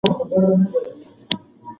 عدالت د هر نظام د پایښت راز دی.